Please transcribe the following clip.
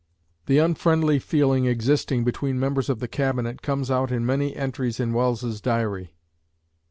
The unfriendly feeling existing between members of the Cabinet comes out in many entries in Welles's Diary.